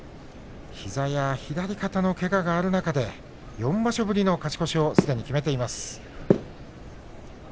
膝や左肩のけががある中で４場所ぶりの勝ち越しをすでに決めています。